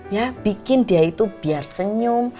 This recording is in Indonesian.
ya bikin dia itu biar senyum